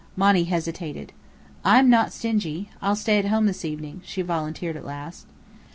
Monny hesitated. "I am not stingy. I'll stay at home this evening," she volunteered at last.